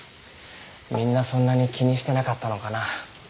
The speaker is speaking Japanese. みんなそんなに気にしてなかったのかな。